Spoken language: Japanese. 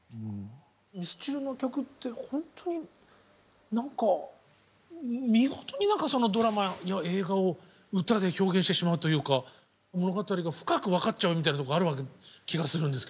ミスチルの曲って本当に何か見事に何かドラマや映画を歌で表現してしまうというか物語が深く分かっちゃうみたいなところある気がするんですけど。